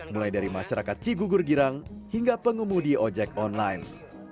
mulai dari masyarakat cigugur girang hingga pengemudi ojek online